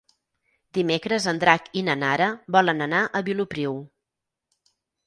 Dimecres en Drac i na Nara volen anar a Vilopriu.